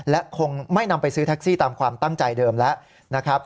และคงไม่นำไปซื้อแท็กซี่ตามความตั้งใจเดิมแล้วนะครับ